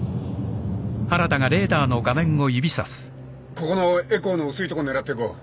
ここのエコーの薄い所を狙っていこう。